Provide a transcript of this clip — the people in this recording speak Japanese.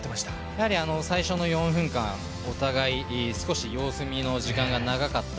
やはり最初の４分間、お互い、様子見の時間が長かった。